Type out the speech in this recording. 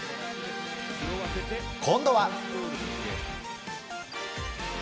今度は。